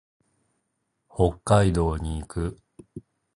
北海道に行く。